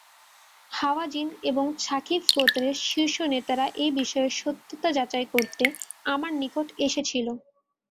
হাওয়াযিন এবং ছাকীফ গোত্রের শীর্ষ নেতারা এ বিষয়ের সত্যতা যাচাই করতে আমার নিকট এসেছিল।